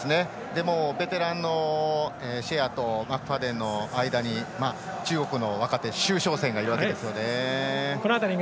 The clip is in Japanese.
ベテランのシェアとマクファーデンの間に中国の若手周召倩がいるんですよね。